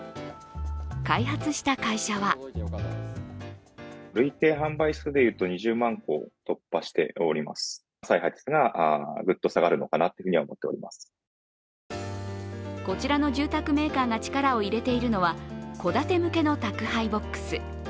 開発した会社はこちらの住宅メーカーが力を入れているのは戸建て向けの宅配ボックス。